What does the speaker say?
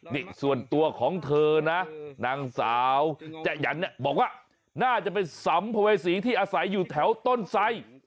นี่ส่วนตัวของเธอนะนางสาวจะหยันเนี่ยบอกว่าน่าจะเป็นสัมภเวษีที่อาศัยอยู่แถวต้นไซ